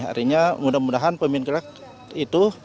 harinya mudah mudahan pemimpin krak itu